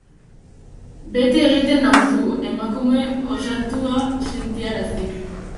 Bete egiten nauzu, emakume osatua sentiarazi.